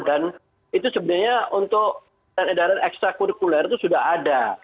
dan itu sebenarnya untuk edaran ekstra kurkuler itu sudah ada